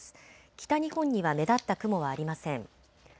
北日本には目立った雲はありません。